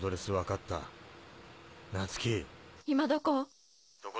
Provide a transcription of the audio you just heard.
今どこ？